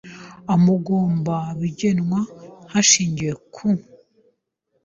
amugomba bigenwa hashingiwe ku